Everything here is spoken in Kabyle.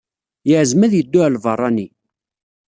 Yeɛzem ad yeddu ɣer lbeṛṛani.